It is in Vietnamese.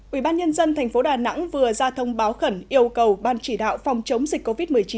ubnd tp đà nẵng vừa ra thông báo khẩn yêu cầu ban chỉ đạo phòng chống dịch covid một mươi chín